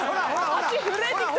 足震えてきた。